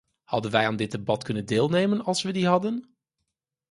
Hadden wij aan dit debat kunnen deelnemen als we die hadden?